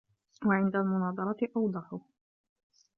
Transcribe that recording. وَعِنْدَ الْمُنَاظَرَةِ أَوْضَحُ